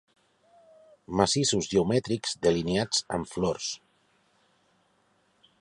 Macisos geomètrics delineats amb flors